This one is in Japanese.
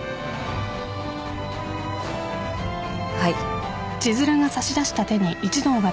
はい。